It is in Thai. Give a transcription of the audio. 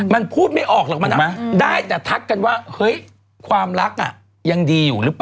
มันพูดไม่ออกเลยหรือเปล่าได้ตะทักกันว่ากัดครับ